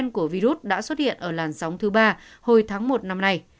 của virus đã xuất hiện ở làn sóng thứ ba hồi tháng một năm nay